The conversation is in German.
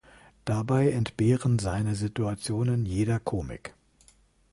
Dabei entbehren seine Situationen jeder Komik.